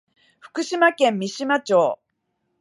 福島県三島町